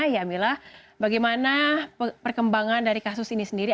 ya mila bagaimana perkembangan dari kasus ini sendiri